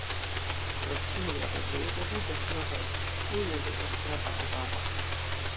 Proksime de la preĝejo troviĝas nova episkopujo de Ostrava-Opava.